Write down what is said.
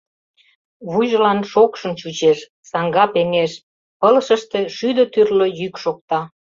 Вуйжылан шокшын чучеш, саҥга пеҥеш, пылышыште шӱдӧ тӱрлӧ йӱк шокта.